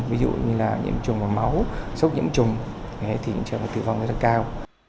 ví dụ như là nhiễm trùng máu sốc nhiễm trùng thì trường tử vong rất cao